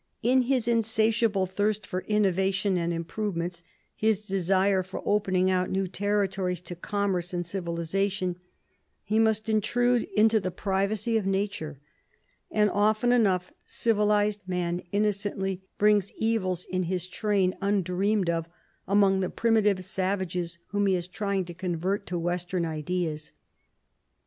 In his in satiable thirst for innovation and improvements, his desire for opening out new territories to commerce and civilisation, he must intrude into the privacy of Nature, and often enough civilised man innocently brings evils in his train undreamed of among the primitive savages whom he is trying to convert to Western ideas.